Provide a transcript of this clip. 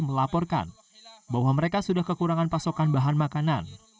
melaporkan bahwa mereka sudah kekurangan pasokan bahan makanan